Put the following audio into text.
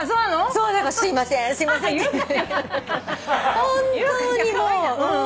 本当にもう。